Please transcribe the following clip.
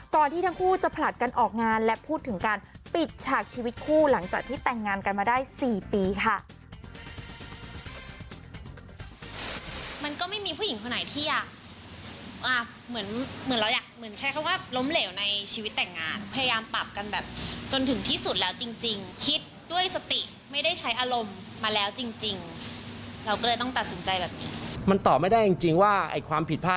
ที่ทั้งคู่จะผลัดกันออกงานและพูดถึงการปิดฉากชีวิตคู่หลังจากที่แต่งงานกันมาได้๔ปีค่ะ